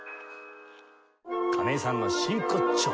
亀井さんの真骨頂！